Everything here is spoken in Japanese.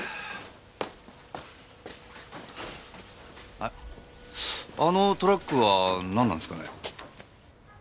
ああのトラックは何なんですかね？